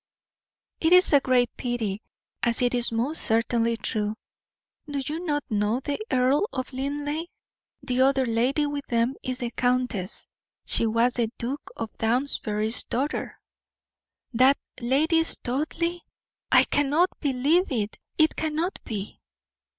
"It is a great pity, as it is most certainly true. Do you not know the Earl of Linleigh? The other lady with them is the countess. She was the Duke of Downsbury's daughter." "That Lady Studleigh! I cannot believe it! It cannot be!"